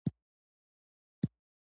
دښمن ته باید زړورتیا سره وکتل شي